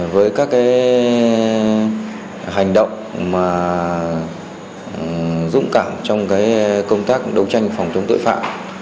với các hành động dũng cảm trong công tác đấu tranh phòng chống tội phạm